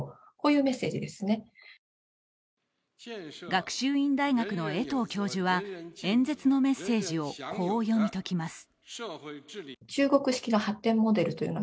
学習院大学の江藤教授は演説のメッセージをこう、読み解きます。